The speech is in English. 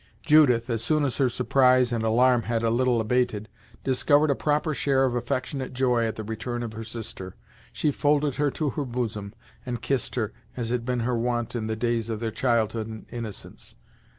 Judith, as soon as her surprise and alarm had a little abated, discovered a proper share of affectionate joy at the return of her sister. She folded her to her bosom, and kissed her, as had been her wont in the days of their childhood and innocence.